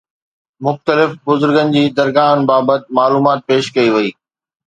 مختلف بزرگن جي درگاهن بابت معلومات پيش ڪئي وئي